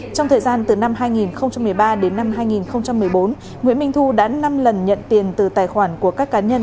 trong thời gian từ năm hai nghìn một mươi ba đến năm hai nghìn một mươi bốn nguyễn minh thu đã năm lần nhận tiền từ tài khoản của các cá nhân